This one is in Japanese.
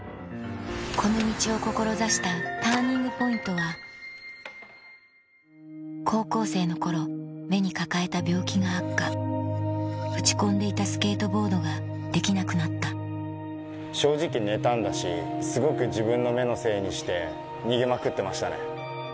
この道を志したＴＵＲＮＩＮＧＰＯＩＮＴは高校生の頃目に抱えた病気が悪化打ち込んでいたスケートボードができなくなった正直妬んだしすごく自分の目のせいにして逃げまくってましたね。